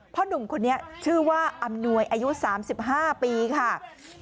หนุ่มคนนี้ชื่อว่าอำนวยอายุ๓๕ปีค่ะ